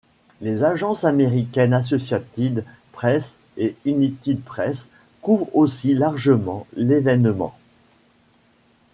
Les agences américaines Associated Press et United Press couvrent aussi largement l'évènement.